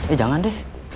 eh jangan deh